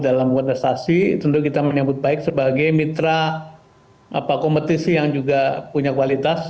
dalam kontestasi tentu kita menyambut baik sebagai mitra kompetisi yang juga punya kualitas